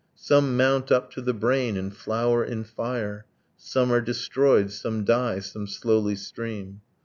Some mount up to the brain and flower in fire. Some are destroyed; some die; some slowly stream.